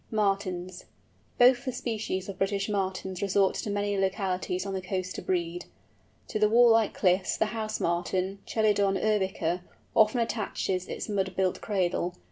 MARTINS. Both the species of British Martins resort to many localities on the coast to breed. To the wall like cliffs the House Martin, Chelidon urbica, often attaches its mud built cradle.